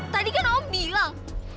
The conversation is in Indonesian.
tadi kan om bilang